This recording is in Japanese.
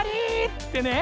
ってね。